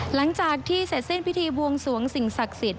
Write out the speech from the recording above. หลังจากที่เสร็จสิ้นพิธีบวงสวงสิ่งศักดิ์สิทธิ